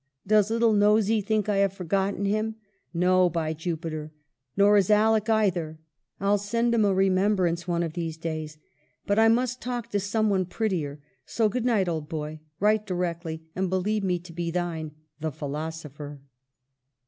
Does little Nosey think I have forgotten him. No, by Jupiter ! nor is Alick either. I'll send him a remem brance one of these days. But I must talk to some one prettier; so good night, old boy. Write directly, and believe me to be thine, "The Philosopher."